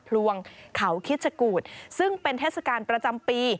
พลวงเขาคิดชะกูธซึ่งเป็นเทศกาลประจำปี